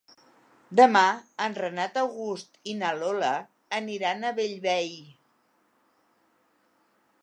Demà en Renat August i na Lola aniran a Bellvei.